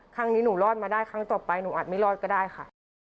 ครั้งนี้หนูรอดมาได้ครั้งต่อไปหนูอาจไม่รอดก็ได้ค่ะ